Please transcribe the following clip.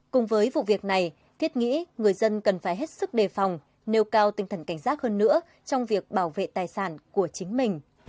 cùng với vụ việc này thiết nghĩ người dân cần phải hết sức đề phòng nêu cao tinh thần cảnh giác hơn nữa trong việc bảo vệ tài sản của chính mình